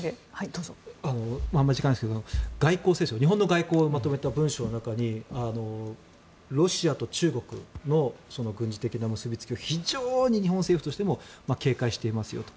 あまり時間がないんですが日本の外交をまとめた文書の中にロシアと中国の軍事的な結びつきを非常に日本政府としても警戒していますよと。